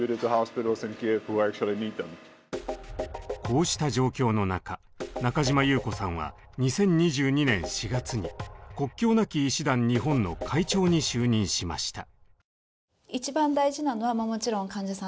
こうした状況の中中嶋優子さんは２０２２年４月に国境なき医師団日本の会長に就任しました。